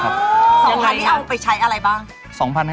๒๐๐นี่เอาไปใช้อะไรบ้าง